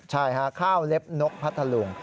ใช่ค่ะข้าวเล็บนกพัทธลุง